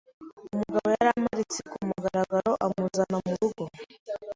umugabo yaramparitse ku mugaragaroamuzana mu rugo